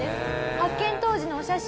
発見当時のお写真